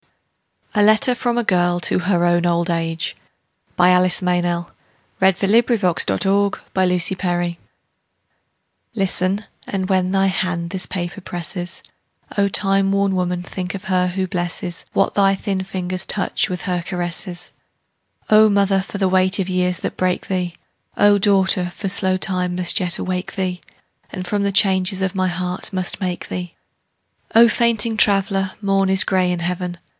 G H . I J . K L . M N . O P . Q R . S T . U V . W X . Y Z A Letter from a Girl to Her Own Old Age LISTEN, and when thy hand this paper presses, O time worn woman, think of her who blesses What thy thin fingers touch, with her caresses. O mother, for the weight of years that break thee! O daughter, for slow time must yet awake thee, And from the changes of my heart must make thee! O fainting traveller, morn is gray in heaven.